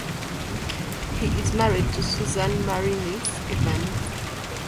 He is married to Susan Marinis Evans.